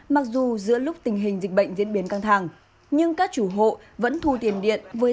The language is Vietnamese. mặc dù giữa lúc tình hình dịch bệnh diễn biến căng thẳng nhưng các chủ hộ vẫn thu tiền điện với